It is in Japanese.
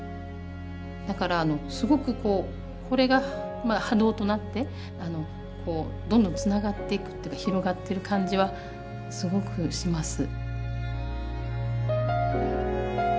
だからすごくこうこれがまあ波動となってどんどんつながっていくっていうか広がってる感じはすごくします。